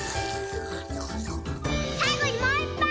さいごにもういっぱい！